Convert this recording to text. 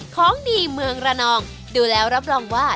ของดีเมืองระนองดูแล้วรับรองว่า